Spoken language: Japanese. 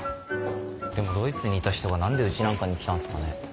でもドイツにいた人が何でうちなんかに来たんすかね？